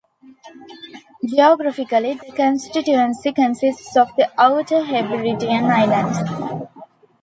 Geographically, the constituency consists of the Outer Hebridean islands.